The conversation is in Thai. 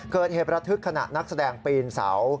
เกิดเหตุระทึกขณะนักแสดงปีนเสา